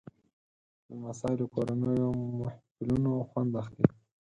لمسی له کورنیو محفلونو خوند اخلي.